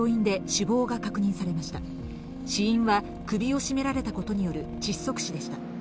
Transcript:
死因は首を絞められたことによる窒息死でした。